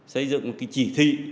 xây dựng chỉ thi